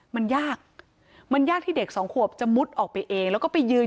มันยากมันยากที่เด็กสองขวบจะมุดออกไปเองแล้วก็ไปยืน